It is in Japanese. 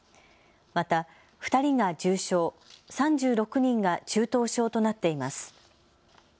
また２人が重症、３６人が中等症となっています。